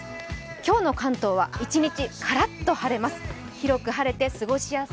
今日の関東は一日カラッと晴れます。